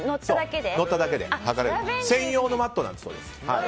専用のマットだそうです。